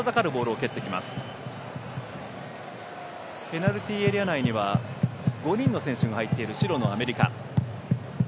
ペナルティーエリア内には５人の選手が入っている白のアメリカ。